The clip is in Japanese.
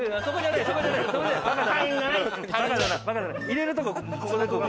「入れるとこここだここ。